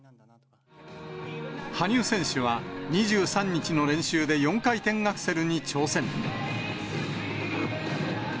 羽生選手は、２３日の練習で４回転アクセルに挑戦。